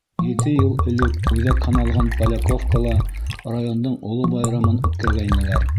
Ете йыл элек үҙәк һаналған Поляковкала райондың оло байрамын үткәргәйнеләр.